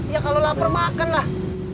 ya kalau lapar makanlah